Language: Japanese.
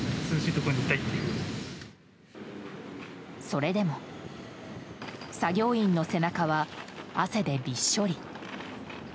それでも作業員の背中は汗でびっしょり。